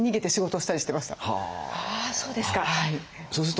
あそうですか。